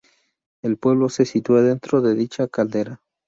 El pueblo, se sitúa dentro de dicha caldera.